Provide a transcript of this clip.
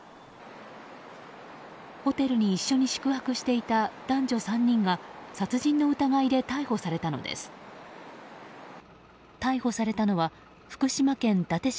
ホテルに一緒に宿泊していた男女３人が殺人の疑いで逮捕されたのです。